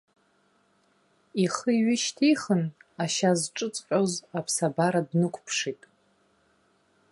Ихы ҩышьҭихын, ашьа зҿыҵҟьоз аԥсабара днықәԥшит.